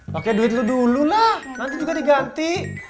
pakai duit itu dulu lah nanti juga diganti